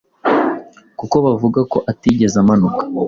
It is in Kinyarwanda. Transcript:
kuko bavuga ko atigeze amanuka